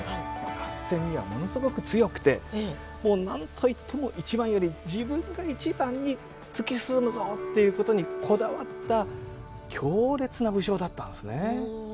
合戦にはものすごく強くてもう何と言っても一番やり自分が一番に突き進むぞっていうことにこだわった強烈な武将だったんですね。